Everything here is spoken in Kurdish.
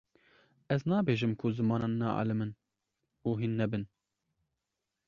ez nabêjim ku zimanan nealimin û hîn nebin